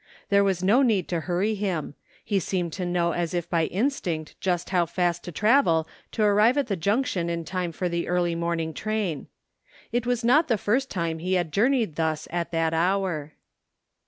There was no need to hurry him. He seemed to know as if by instinct just how fast to travel to <arrive at the Jimction in time for the early morning train. It was not the first time he had journeyed thus at that hour.